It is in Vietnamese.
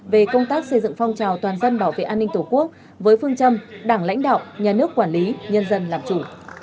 về công tác xây dựng phong trào toàn dân bảo vệ an ninh tổ quốc với phương châm đảng lãnh đạo nhà nước quản lý nhân dân làm chủ